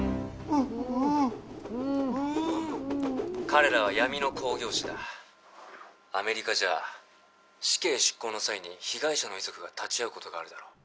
彼らは闇の興行師だアメリカじゃ死刑執行の際に被害者の遺族が立ち会うことがあるだろう？